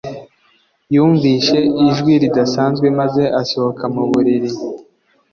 Yumvise ijwi ridasanzwe maze asohoka mu buriri